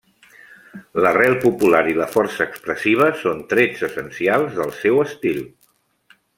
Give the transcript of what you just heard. L'arrel popular i la força expressiva són trets essencials del seu estil.